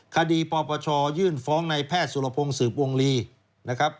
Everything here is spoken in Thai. ปปชยื่นฟ้องในแพทย์สุรพงศ์สืบวงลีนะครับ